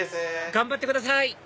頑張ってください！